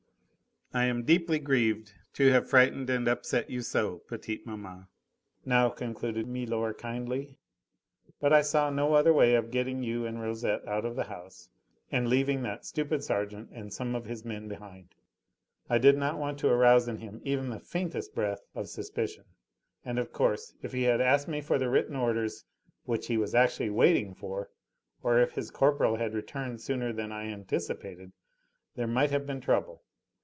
"I am deeply grieved to have frightened and upset you so, petite maman," now concluded milor kindly, "but I saw no other way of getting you and Rosette out of the house and leaving that stupid sergeant and some of his men behind. I did not want to arouse in him even the faintest breath of suspicion, and of course if he had asked me for the written orders which he was actually waiting for, or if his corporal had returned sooner than I anticipated, there might have been trouble.